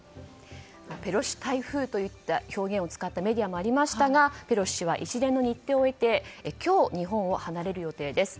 ペロシ台風といった表現を使ったメディアもありましたがペロシ氏は一連の日程を経て今日、日本を離れる予定です。